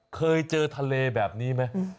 เคยเจอทะเลแบบนี้ไหม